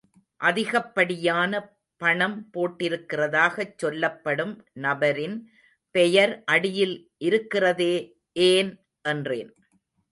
அதிகப்படியான பணம் போட்டிருக்கிறதாகச் சொல்லப்படும் நபரின் பெயர் அடியில் இருக்கிறதே ஏன்? என்றேன்.